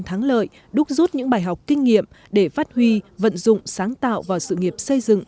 thắng lợi đúc rút những bài học kinh nghiệm để phát huy vận dụng sáng tạo vào sự nghiệp xây dựng